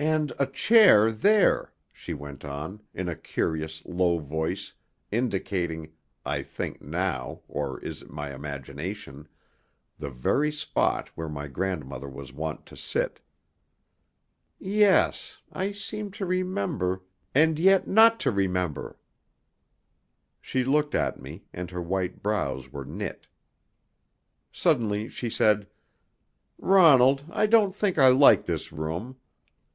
"And a chair there," she went on, in a curious low voice, indicating I think now, or is it my imagination? the very spot where my grandmother was wont to sit. "Yes I seem to remember, and yet not to remember." She looked at me, and her white brows were knit. Suddenly she said: "Ronald, I don't think I like this room.